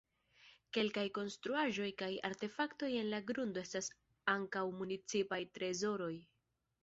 Kelkaj konstruaĵoj kaj artefaktoj en la grundo estas ankaŭ municipaj trezoroj.